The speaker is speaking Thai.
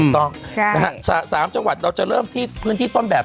ถูกต้อง๓จังหวัดเราจะเริ่มที่พื้นที่ต้นแบบ